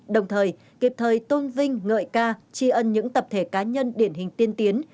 đồng thời kịp thời tôn vinh ngợi ca tri ân những tập thể cá nhân điển hình tiên tiến